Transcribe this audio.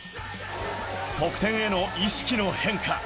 得点への意識の変化。